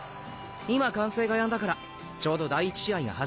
今歓声がやんだからちょうど第１試合が始まった頃だと思うよ。